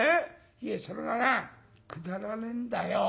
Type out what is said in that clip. いやそれがなくだらねえんだよ。